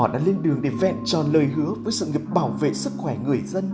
đã lên đường để vẹn tròn lời hứa với sự nghiệp bảo vệ sức khỏe người dân